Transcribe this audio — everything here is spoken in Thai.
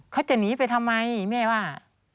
เขาจะหนีไปทำไมแม่ว่า